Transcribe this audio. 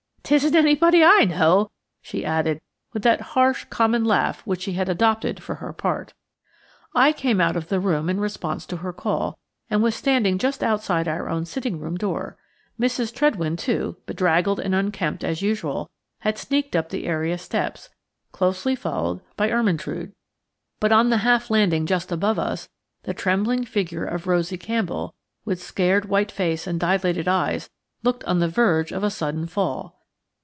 'Tisn't anybody I know," she added, with that harsh, common laugh which she had adopted for her part. I had come out of the room in response to her call, and was standing just outside our own sitting room door. Mrs. Tredwen, too, bedraggled and unkempt, as usual, had sneaked up the area steps, closely followed by Ermyntrude. But on the half landing just above us the trembling figure of Rosie Campbell, with scared white face and dilated eyes, looked on the verge of a sudden fall.